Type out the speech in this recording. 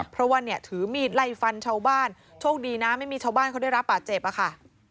เพราะว่าเนี่ยถือมีดไล่ฟันชาวบ้านโชคดีนะไม่มีชาวบ้านเขาได้รับบาดเจ็บอะค่ะ